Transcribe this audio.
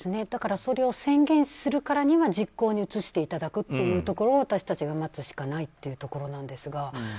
それを宣言するからには実行に移していただくというのを私たちが待つしかないというところなんですが。